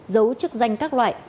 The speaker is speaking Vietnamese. dấu chức danh các loại